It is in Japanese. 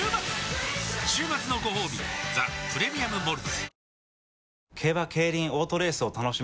週末のごほうび「ザ・プレミアム・モルツ」